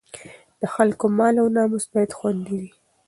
د خلکو مال او ناموس باید خوندي وي.